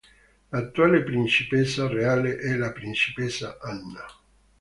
L'attuale principessa reale è la principessa Anna.